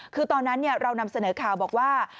คือตอนนั้นเรานำเสนอข่าวบอกว่า